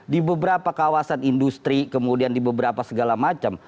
di beberapa kawasan industri kemudian di beberapa segala macam